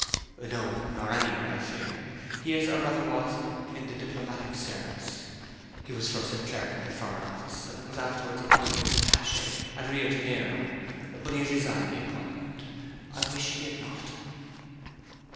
'No, nor anywhere, I fear. He is, or rather was, in the diplomatic service. He was first a clerk in the Foreign Office, and was afterwards appointed attaché at Rio Janeiro. But he has resigned the appointment. I wish he had not.'